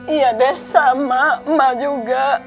iya de sama emak juga